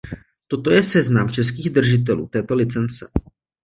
Toto je seznam českých držitelů této licence.